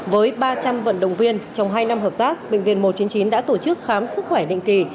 với ba trăm linh vận động viên trong hai năm hợp tác bệnh viện một trăm chín mươi chín đã tổ chức khám sức khỏe định kỳ